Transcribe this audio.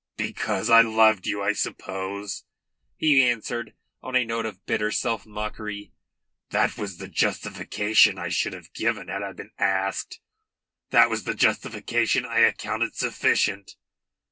"Because I loved you, I suppose," he answered on a note of bitter self mockery. "That was the justification I should have given had I been asked; that was the justification I accounted sufficient."